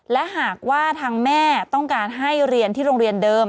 และหากว่าทางแม่ต้องการให้เรียนที่โรงเรียนเดิม